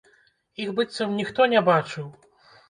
Іх быццам ніхто не бачыў.